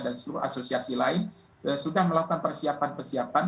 dan seluruh asosiasi lain sudah melakukan persiapan persiapan